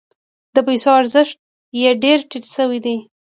د پیسو ارزښت یې ډیر ټیټ شوی دی.